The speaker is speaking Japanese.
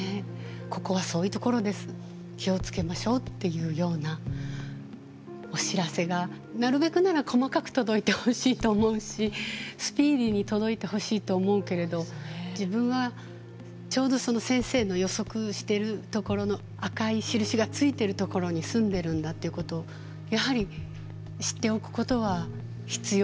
「ここはそういうところです気を付けましょう」っていうようなお知らせがなるべくなら細かく届いてほしいと思うしスピーディーに届いてほしいと思うけれど自分はちょうど先生の予測してるところの赤い印がついてるところに住んでるんだっていうことをやはり知っておくことは必要だと思いますし。